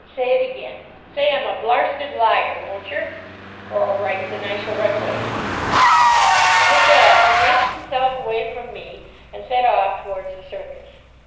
Say it again. Say I'm a blarsted liar, won't yer? Orlright, then I shall run away." And with that he wrenched himself away from me and set off towards the Circus.